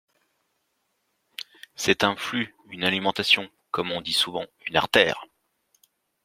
C’est un flux, une alimentation, comme on dit souvent, une artère.